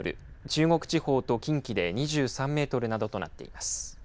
中国地方と近畿で２３メートルなどとなっています。